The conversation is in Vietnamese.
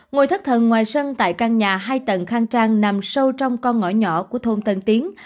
ngôi thất thần ngoài sân tại căn nhà hai tầng khang trang nằm sâu trong con ngõ nhỏ của thôn tân tiến